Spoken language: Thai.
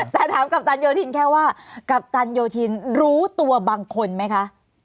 แต่ถามกัปตันโยธินแค่ว่ากัปตันโยธินรู้ตัวบางคนไหมคะ